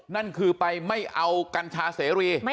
นั่นคือไปไม่เอากัญชาเสรี